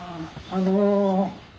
あの。